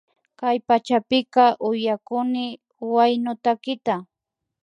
Kay pachapika uyakuni huyano takita